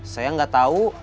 saya gak tahu